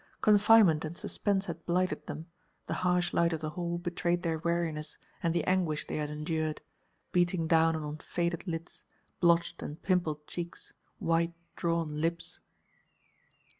Confinement and suspense had blighted them, the harsh light of the hall betrayed their weariness and the anguish they had endured, beating down on faded lids, blotched and pimpled cheeks, white, drawn lips.